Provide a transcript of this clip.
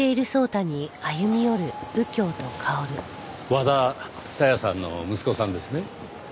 和田紗矢さんの息子さんですね。